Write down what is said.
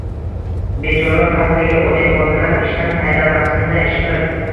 Bechora pastdagi oddiy xodimlar ishdan haydalmasinda ishqilib?!